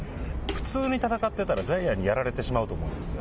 普通に戦ってたらジャイアンにやられてしまうと思うんですよ。